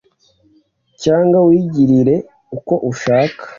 Cyangwa wigirire ukwo ushaka